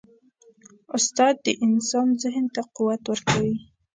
استاد د انسان ذهن ته قوت ورکوي.